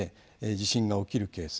地震が起きるケース。